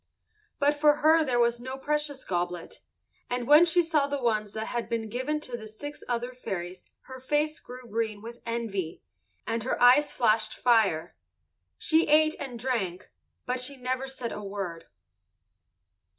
But for her there was no precious goblet, and when she saw the ones that had been given to the six other fairies her face grew green with envy, and her eyes flashed fire. She ate and drank, but she said never a word.